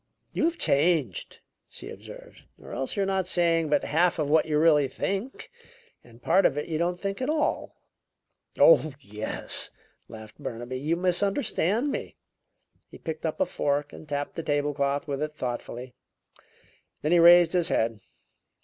"You have changed," she observed, "or else you're not saying but half of what you really think and part of it you don't think at all." "Oh, yes," laughed Burnaby, "you misunderstand me." He picked up a fork and tapped the table cloth with it thoughtfully; then he raised his head.